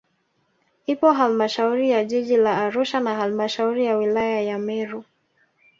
Ipo halmashauri ya jiji la Arusha na halmashauri ya wilaya ya Meru